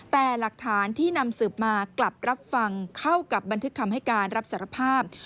แต่หลักฐานที่นำสืบมากลับรับฟังเข้ากับบันทึกคำให้การรับสารภาพ